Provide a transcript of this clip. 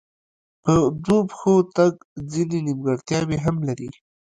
په دوو پښو تګ ځینې نیمګړتیاوې هم لري.